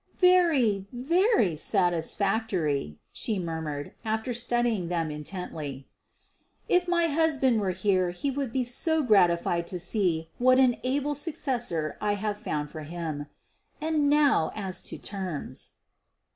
"Very, very satisfactory," she murmured, after studying them intently. '' If my husband were here he would be so gratified to see what an able succes sor I have found for him. And now as to terms."